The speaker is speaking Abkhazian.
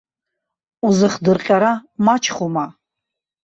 Узыхдырҟьара мачхәума.